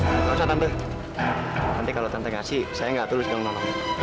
nggak usah tante nanti kalau tante ngasih saya nggak tulis ke namanya